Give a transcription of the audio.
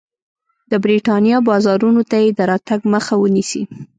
د برېټانیا بازارونو ته یې د راتګ مخه ونیسي.